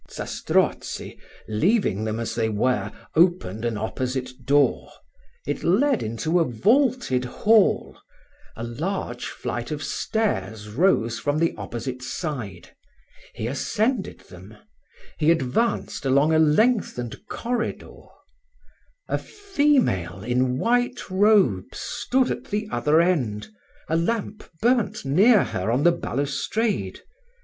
Zastrozzi, leaving them as they were, opened an opposite door it led into a vaulted hall a large flight of stairs rose from the opposite side he ascended them He advanced along a lengthened corridor a female in white robes stood at the other end a lamp burnt near her on the balustrade.